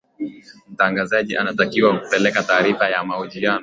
mtangazaji anatakiwa kupeleka taarifa ya mahojiano